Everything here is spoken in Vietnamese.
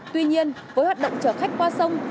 tuy nhiên với hoạt động chở khách qua sông